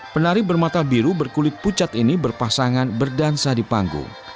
penari bermata biru berkulit pucat ini berpasangan berdansa di panggung